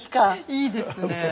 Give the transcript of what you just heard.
いいですね。